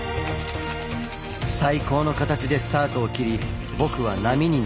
最高の形でスタートを切り僕は波に乗ります。